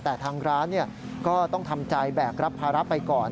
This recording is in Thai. แต่ทางร้านก็ต้องทำใจแบกรับภาระไปก่อน